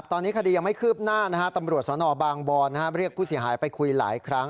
ตอนนี้คดียังไม่คืบหน้าตำรวจสนบางบอนเรียกผู้เสียหายไปคุยหลายครั้ง